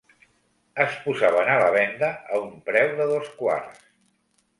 Es posaven a la venda a un preu de dos quarts.